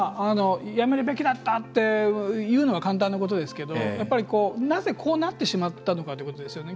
やめるべきだったって言うのは簡単なことですけどなぜこうなってしまったのかということですよね。